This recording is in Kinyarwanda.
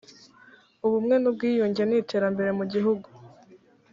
ubumwe n’ubwiyunge n’iterambere mu gihugu